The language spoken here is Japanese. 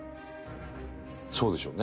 そうでしょうね。